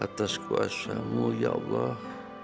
atas kuasamu ya allah